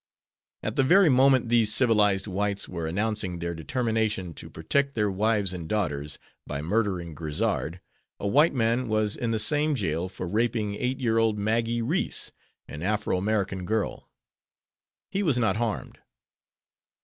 At the very moment these civilized whites were announcing their determination "to protect their wives and daughters," by murdering Grizzard, a white man was in the same jail for raping eight year old Maggie Reese, an Afro American girl. He was not harmed.